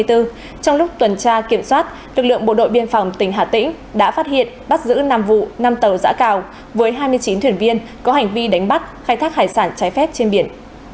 trong lúc tuần tra kiểm soát lực lượng bộ đội biên phòng tỉnh hà tĩnh đã phát hiện bắt giữ năm vụ năm tàu giã cào với hai mươi chín thuyền viên có hành vi đánh bắt khai thác hải sản trái phép trên biển